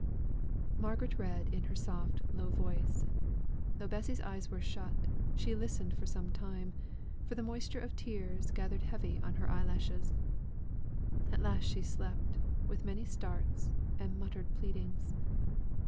Margaret read in her soft low voice. Though Bessy's eyes were shut, she was listening for some time, for the moisture of tears gathered heavy on her eyelashes. At last she slept; with many starts, and muttered pleadings.